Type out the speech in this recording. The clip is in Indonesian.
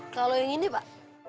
kalau yang ini pak